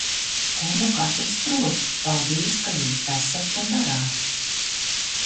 Ko nu katrs prot! Paldies, ka jūs esat un darāt!